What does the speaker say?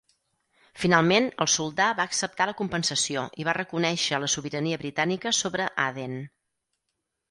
Finalment, el soldà va acceptar la compensació i va reconèixer la sobirania britànica sobre Aden.